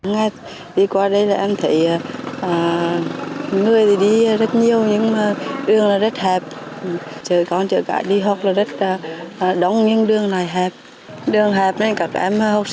theo chính quyền địa phương nơi đây cho biết do đường xuống cấp và quanh co gấp khúc